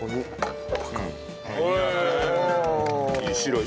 いい。